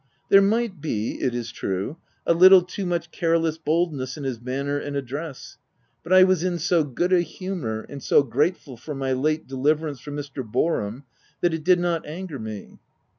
There might be, it is true, a little too much careless boldness in his manner and address, but I was in so good a humour, and so grateful for my late deliverance from Mr. Boarham, that it did net anger me.